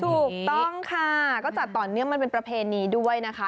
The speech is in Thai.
ถูกต้องค่ะก็จัดต่อเนื่องมันเป็นประเพณีด้วยนะคะ